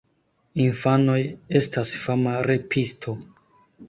Infanoj: "Estas fama repisto!"